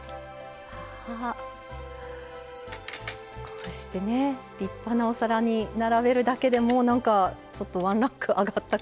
こうしてね立派なお皿に並べるだけでもうなんかちょっとワンランク上がった感じがしますねお料理。